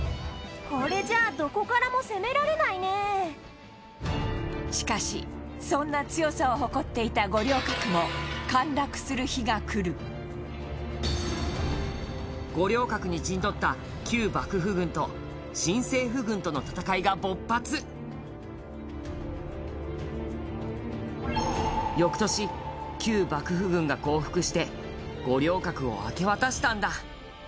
これじゃどこからも攻められないねしかしそんな強さを誇っていた五稜郭も陥落する日がくる五稜郭に陣取った旧幕府軍と新政府軍との戦いが勃発翌年、旧幕府軍が降伏して五稜郭を明け渡したんだ